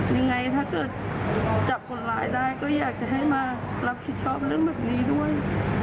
ยังไงถ้าเกิดจับคนร้ายได้ก็อยากจะให้มารับผิดชอบเรื่องแบบนี้ด้วย